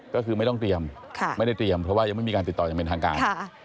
ก็คือไม่ต้องเตรียมไม่ได้เตรียมเพราะว่ายังไม่มีการติดต่อยังเป็นทางการ